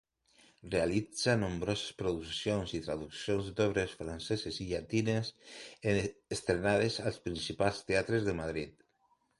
Realitzà nombroses produccions i traduccions d'obres franceses i llatines, estrenades als principals teatres de Madrid.